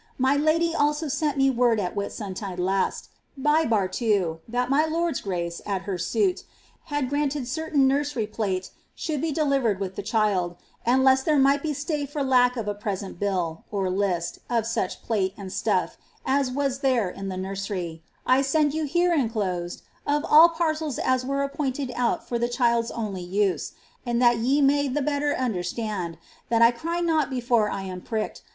My huly also sent me word at Whitsanfida last, h§ fmrtmi^' that my lord's gnoe,* at her suit, had granted certain mirseiy phat should be delivered with the child; and lest there might be stay Ibr tack of s l^vesent bill (list) of such plate and stuff as was there in the mmery, I tnA you here inclosed of all parcels as were appointed out Ibr the ohild*s only ms; and that ye may the better understand, that 1 cry not beft>i« I am priekad